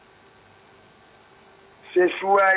bapak inginnya seperti apa pak olawan